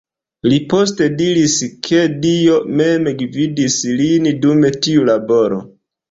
Li poste diris, ke Dio mem gvidis lin dum tiu laboro.